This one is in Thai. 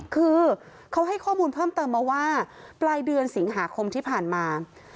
คือเขาให้ข้อมูลเพิ่มเติมมาว่าปลายเดือนสิงหาคมที่ผ่านมา